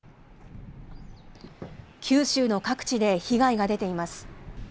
九州の各地で被害が出ています。